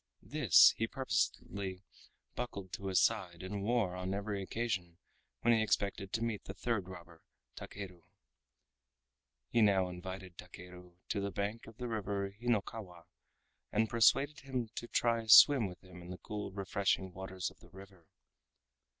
This he purposedly buckled to his side and wore on every occasion when he expected to meet the third robber Takeru. He now invited Takeru to the bank of the River Hinokawa, and persuaded him to try a swim with him in the cool refreshing waters of the river.